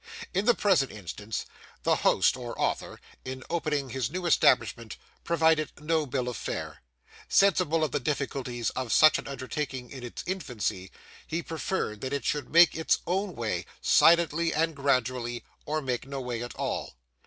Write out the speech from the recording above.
In the present instance, the host or author, in opening his new establishment, provided no bill of fare. Sensible of the difficulties of such an undertaking in its infancy, he preferred that it should make its own way, silently and gradually, or make no way at all.